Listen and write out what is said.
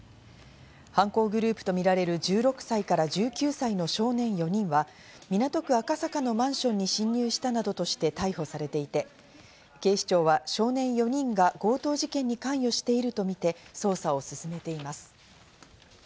犯行グループとみられる１６歳から１９歳の少年４人は、港区赤坂のマンションに侵入したなどとして逮捕されていて、警視庁は少年４人が強盗事件に関与しているとみて捜査を進めています。